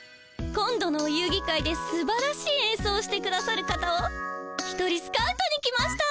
今度のお遊ぎ会ですばらしいえんそうをしてくださる方を１人スカウトに来ました。